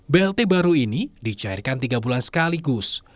blt baru ini dicairkan tiga bulan sekaligus